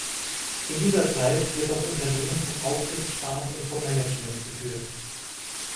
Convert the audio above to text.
In dieser Zeit wird das Unternehmen vom Aufsichtsrat und vom Management geführt.